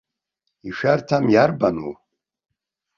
Ишәарҭам иарбану?!